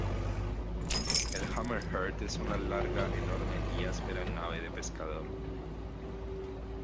El Hammerhead es una larga, enorme y áspera nave de pescador.